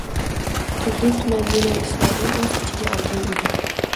Turli-tuman yoʻnalishlarni oʻz ichiga olgan edi.